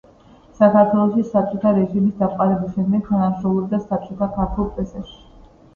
საქართველოში საბჭოთა რეჟიმის დამყარების შემდეგ თანამშრომლობდა საბჭოთა ქართულ პრესაში.